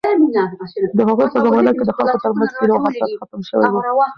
د هغوی په زمانه کې د خلکو ترمنځ کینه او حسد ختم شوی و.